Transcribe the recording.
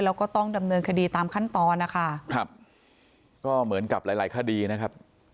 แล้วก็ต้องดำเนินคดีตามขั้นตอนนะคะครับก็เหมือนกับหลายหลายคดีนะครับ